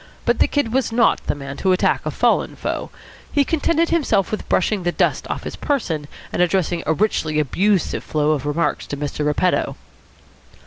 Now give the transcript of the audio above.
But the Kid was not the man to attack a fallen foe. He contented himself with brushing the dust off his person and addressing a richly abusive flow of remarks to Mr. Repetto.